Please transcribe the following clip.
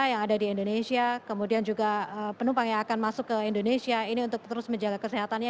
yang ada di indonesia kemudian juga penumpang yang akan masuk ke indonesia ini untuk terus menjaga kesehatannya